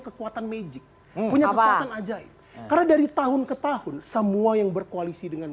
kekuatan magic punya kekuatan ajaib karena dari tahun ke tahun semua yang berkoalisi dengan